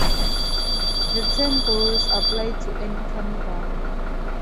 The term ghoul is applied to any cannibal.